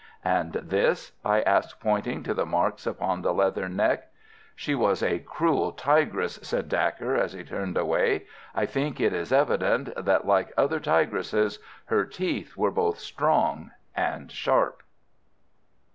"And this?" I asked, pointing to the marks upon the leathern neck. "She was a cruel tigress," said Dacre, as he turned away. "I think it is evident that like other tigresses her teeth were both strong and sharp."